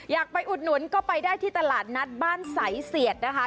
อยากไปอุดหนุนก็ไปได้ที่ตลาดนัดบ้านใสเสียดนะคะ